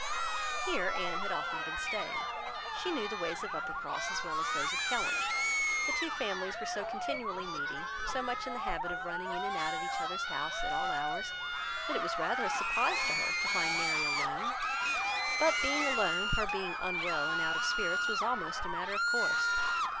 Here Anne had often been staying. She knew the ways of Uppercross as well as those of Kellynch. The two families were so continually meeting, so much in the habit of running in and out of each other's house at all hours, that it was rather a surprise to her to find Mary alone; but being alone, her being unwell and out of spirits was almost a matter of course.